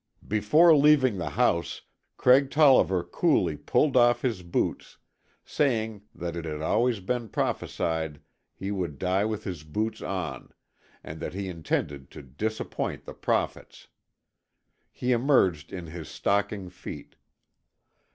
Before leaving the house Craig Tolliver coolly pulled off his boots, saying that it had always been prophesied he would die with his boots on, and that he intended to disappoint the prophets. He emerged in his stocking feet.